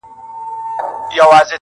د ښار خلکو ته دا لویه تماشه سوه -